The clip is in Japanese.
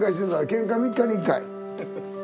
けんか３日に１回。